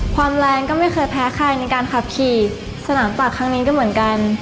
แรงก็ไม่เคยแพ้ใครในการขับขี่สนามปากครั้งนี้ก็เหมือนกัน